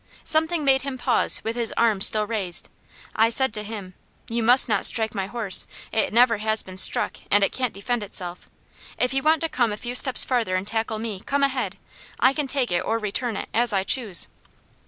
"Something made him pause with his arm still raised. I said to him: 'You must not strike my horse. It never has been struck, and it can't defend itself. If you want to come a few steps farther and tackle me, come ahead! I can take it or return it, as I choose.'"